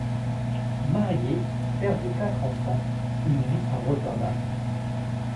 Marié, père de quatre enfants, il vit à Rotterdam.